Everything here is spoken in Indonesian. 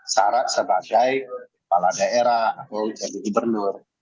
syarat sebagai kepala daerah kalau jadi dibernur